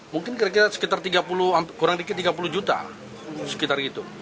mungkin sekitar tiga puluh juta